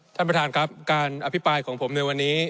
ท่านประธานครับการอภิปรายของผมในวันนี้